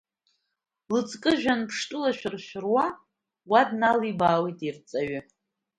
Лыҵкы жәҩанԥштәыла шәыршәыруа уа дналибаауеит ирҵаҩы…